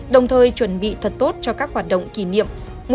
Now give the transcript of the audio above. đồng thời chuẩn bị thật tốt cho các hoạt động kỷ niệm